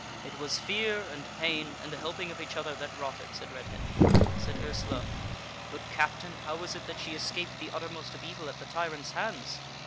"It was fear and pain, and the helping of each other that wrought it," said Redhead. Said Ursula: "Good Captain, how was it that she escaped the uttermost of evil at the tyrant's hands?